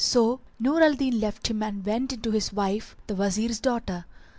So Nur al Din left him and went in to his wife the Wazir's daughter.